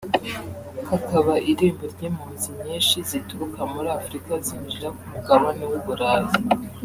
kakaba irembo ry’impunzi nyinshi zituruka muri Afrika zinjira ku mugabane w’u Burayi